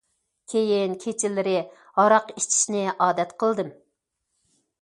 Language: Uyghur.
كېيىن كېچىلىرى ھاراق ئىچىشنى ئادەت قىلدىم.